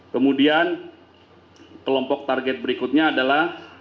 kemudian kelompok target berikutnya adalah